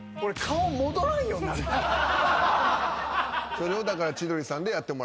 それをだから。